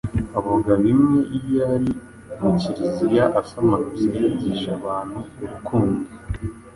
avuga bimwe iyo ari mu kiliziya asoma misa yigisha abantu urukundo,